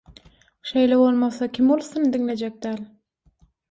Şeýle bolmasa kim ulusyny diňlejek däl?!